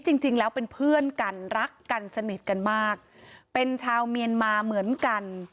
จริงแล้วเป็นเพื่อนกันรักกันสนิทกันมากเป็นชาวเมียนมาเหมือนกัน